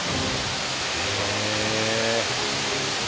へえ。